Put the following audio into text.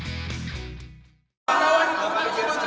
jersi yang baru tanggapkan yang gimana pak